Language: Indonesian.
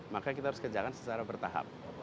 maka kita harus kerjakan secara bertahap